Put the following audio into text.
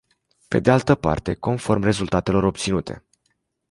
Pe de altă parte, conform rezultatelor obținute.